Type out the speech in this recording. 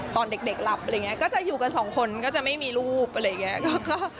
ตอนเด็กหลับอะไรอย่างนี้ก็จะอยู่กันสองคนก็จะไม่มีรูปอะไรอย่างนี้